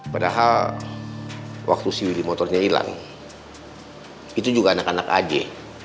padahal waktu si widi motornya hilang itu juga anak anak ag